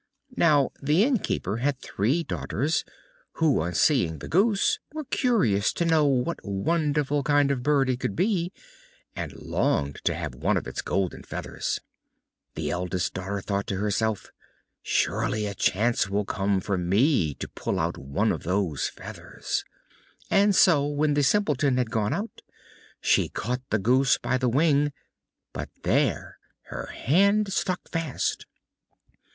Now the innkeeper had three daughters, who on seeing the goose were curious to know what wonderful kind of a bird it could be, and longed to have one of its golden feathers. The eldest daughter thought to herself, "Surely a chance will come for me to pull out one of those feathers"; and so when the Simpleton had gone out, she caught the goose by the wing. But there her hand stuck fast!